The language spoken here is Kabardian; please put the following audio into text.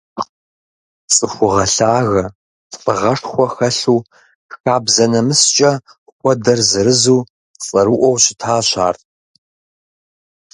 Цӏыхугъэ лъагэ, лӏыгъэшхуэ хэлъу, хабзэ-нэмыскӏэ хуэдэр зырызу, цӏэрыӏуэу щытащ ар.